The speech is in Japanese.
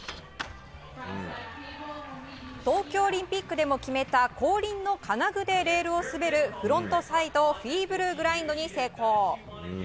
東京オリンピックでも決めた後輪の金具でレールを滑るフロントサイドフィーブルグラインドに成功。